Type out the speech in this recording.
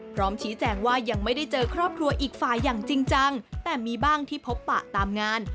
พร้อมชี้แจงว่ายังไม่ได้เจอครอบครัวอีกฝ่ายอย่างจริงจังแต่มีบ้างที่พบปะตามงาน